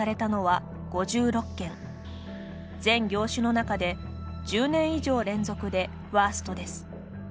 全業種の中で１０年以上連続でワーストです。